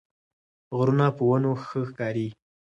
غرونه په ونو ښه ښکاري